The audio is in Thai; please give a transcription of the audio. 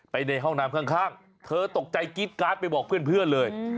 ในห้องน้ำข้างเธอตกใจกรี๊ดการ์ดไปบอกเพื่อนเลย